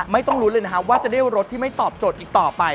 ไม่ต้องลุ้นเลยนะครับว่าจะได้รถที่ไม่ตอบโจทย์อีกต่อไป